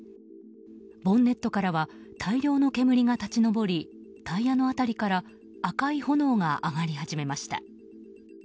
ボンネットからは大量の煙が立ち上りタイヤの辺りから赤い炎が上がり始めました。